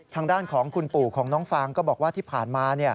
ทางด้านของคุณปู่ของน้องฟางก็บอกว่าที่ผ่านมา